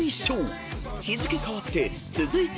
［日付変わって続いての対決は］